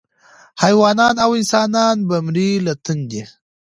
حیوانان او انسانان به مري له تندي